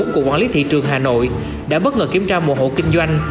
của quản lý thị trường hà nội đã bất ngờ kiểm tra một hộ kinh doanh